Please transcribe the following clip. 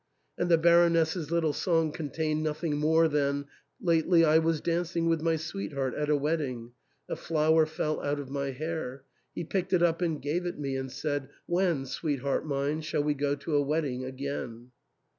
" And the Baroness's little song contained nothing more than, " Lately I was dancing with my sweetheart at a wed ding ; a flower fell out of my hair ; he picked it up and gave it me, and said, *When, sweetheart mine, shall we go to a wedding again?'"